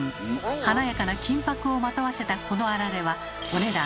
華やかな金箔をまとわせたこのあられはお値段